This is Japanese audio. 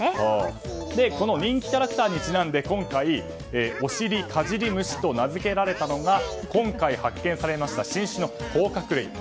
この人気キャラクターにちなんで今回、オシリカジリムシと名づけられたのが今回発見されました新種の甲殻類。